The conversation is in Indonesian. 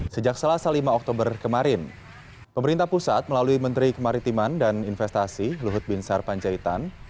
sejak selasa lima oktober kemarin pemerintah pusat melalui menteri kemaritiman dan investasi luhut bin sarpanjaitan